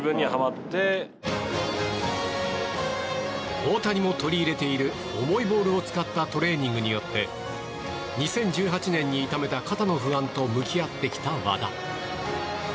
大谷も取り入れている重いボールを使ったトレーニングによって２０１８年に痛めた肩の不安と向き合ってきた和田。